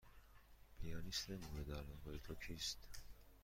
پیانیست مورد علاقه تو کیست؟